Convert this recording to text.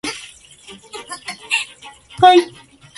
And why not the Eagle, symbolic of majesty, power, and freedom?